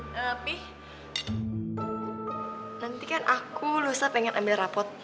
tapi nanti kan aku lusa pengen ambil rapot